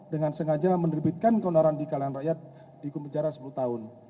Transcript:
dengan sengaja menerbitkan keonoran di kalangan rakyat di kumunicara sepuluh tahun